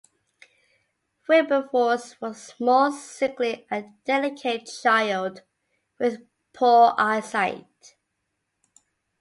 Wilberforce was a small, sickly and delicate child, with poor eyesight.